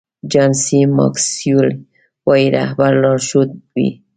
جان سي ماکسویل وایي رهبر لارښود وي.